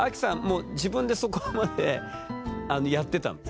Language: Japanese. もう自分でそこまであのやってたの？